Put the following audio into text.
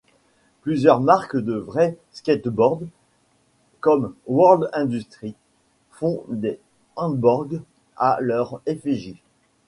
Plusieurs marques de vrai skateboard comme World Industries font des handboards à leur effigie.